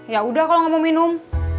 yaudah kalau gak mau minum